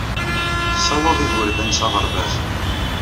Yessawaḍ igerdan s aɣerbaz.